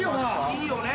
いいよね？